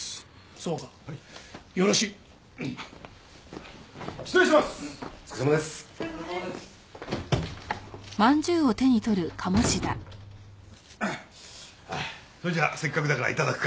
それじゃせっかくだから頂くか。